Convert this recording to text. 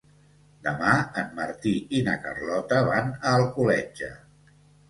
Demà en Martí i na Carlota van a Alcoletge.